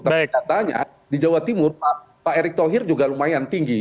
tapi katanya di jawa timur pak erick thohir juga lumayan tinggi